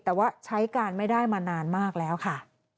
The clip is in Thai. แต่ว่าใช้การไม่ได้มานานมากแล้วค่ะ